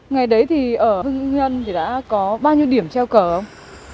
ngày đấy thì ở hưng nhân thì đã có bao nhiêu điểm treo cờ không